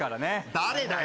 誰だよ。